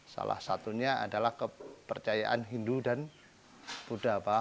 salah satunya adalah kepercayaan hindu dan buddha